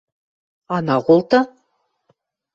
– Ана колты.